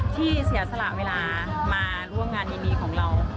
ที่เสียสละเวลามาร่วมงานดีของเรา